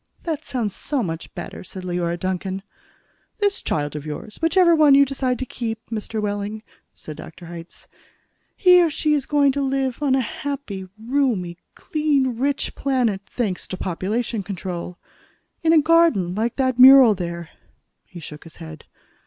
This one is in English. "That sounds so much better," said Leora Duncan. "This child of yours whichever one you decide to keep, Mr. Wehling," said Dr. Hitz. "He or she is going to live on a happy, roomy, clean, rich planet, thanks to population control. In a garden like that mural there." He shook his head.